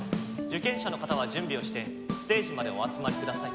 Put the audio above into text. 受験者の方は準備をしてステージまでお集まりください